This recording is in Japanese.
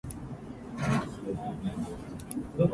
やってきたのはアリクイだった。